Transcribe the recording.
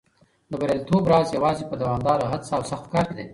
د بریالیتوب راز یوازې په دوامداره هڅه او سخت کار کې دی.